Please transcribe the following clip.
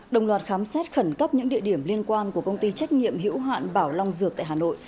đồng loạt khám xét khẩn cấp những địa điểm liên quan của công ty trách nhiệm hữu hạn bảo long dược tại hà nội